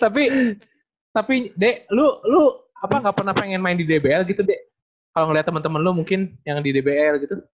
tapi tapi dek lo lo apa gak pernah pengen main di dbl gitu dek kalau ngeliat temen temen lo mungkin yang di dbl gitu